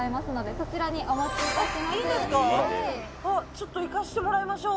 ちょっと行かせてもらいましょう。